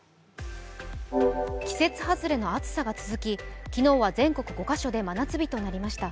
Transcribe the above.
季節外れの暑さが続き昨日は全国５か所で夏日となりました。